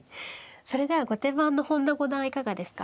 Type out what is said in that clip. それでは後手番の本田五段はいかがですか。